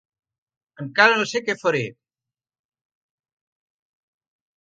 Encara no sé què faré.